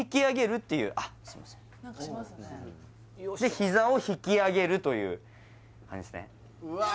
膝を引き上げるという感じでうわっ！